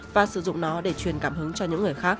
và sử dụng nó để truyền cảm hứng cho những người khác